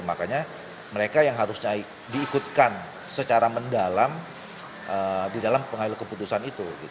makanya mereka yang harus diikutkan secara mendalam di dalam pengambil keputusan itu